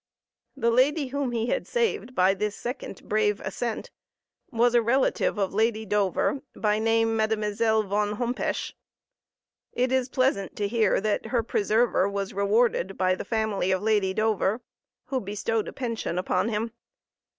The lady whom he had saved by this second brave ascent was a relative of Lady Dover, by name Mile, von Hompesch. It is pleasant to hear that her preserver was rewarded by the family of Lady Dover, who bestowed a pension upon him.